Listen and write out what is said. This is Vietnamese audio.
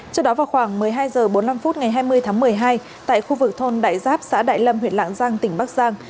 trước đó vào khoảng một mươi hai h bốn mươi năm phút ngày hai mươi tháng một mươi hai tại khu vực thôn đại giáp xã đại lâm huyện lạng giang tỉnh bắc giang